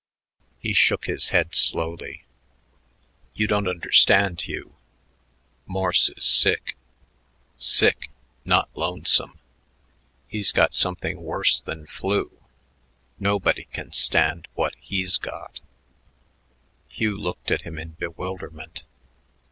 He shook his head slowly. "You don't understand, Hugh. Morse is sick, sick not lonesome. He's got something worse than flu. Nobody can stand what he's got." Hugh looked at him in bewilderment.